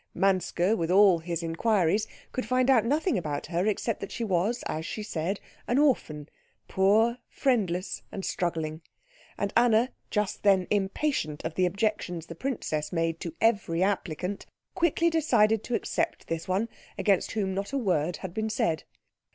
Manske, with all his inquiries, could find out nothing about her except that she was, as she said, an orphan, poor, friendless, and struggling; and Anna, just then impatient of the objections the princess made to every applicant, quickly decided to accept this one, against whom not a word had been said.